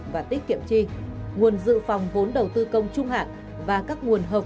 bác quản tang bốn đối tượng gồm